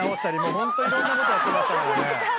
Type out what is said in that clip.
ホントいろんなことやってましたからね。